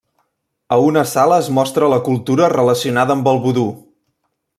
A una sala es mostra la cultura relacionada amb el vudú.